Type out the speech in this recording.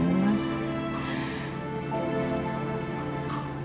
putri pasti gak sesusah ini kan